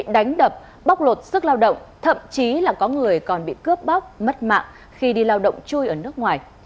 đánh đập bóc lột sức lao động thậm chí là có người còn bị cướp bóc mất mạng khi đi lao động chui ở nước ngoài